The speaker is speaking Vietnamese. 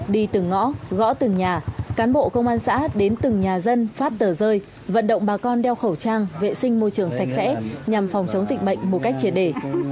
đi từng ngõ gõ từng nhà cán bộ công an xã đến từng nhà dân phát tờ rơi vận động bà con đeo khẩu trang vệ sinh môi trường sạch sẽ nhằm phòng chống dịch bệnh một cách triệt để